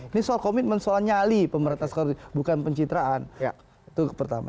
ini soal komitmen soal nyali pemberantasan korupsi bukan pencitraan itu pertama